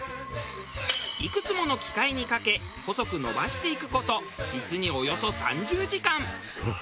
いくつもの機械にかけ細く延ばしていく事実におよそ３０時間！